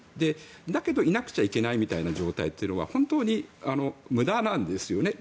だけど、いなくちゃいけないみたいな状態というのは本当に無駄なんですよね。